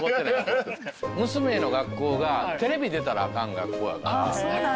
娘の学校がテレビ出たらあかん学校やから。